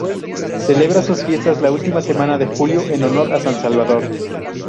Celebra sus fiestas la última semana de julio en honor a San Salvador.